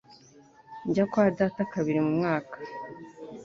Njya kwa data kabiri mu mwaka.